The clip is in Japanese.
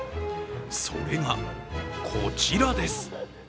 それがこちらです。